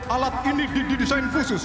alat ini didesain khusus